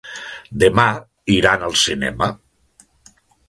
Demà iran al cinema.